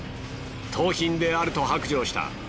盗品であると白状した。